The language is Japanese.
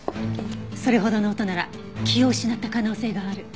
それほどの音なら気を失った可能性がある。